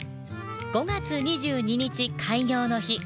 ５月２２日開業の日。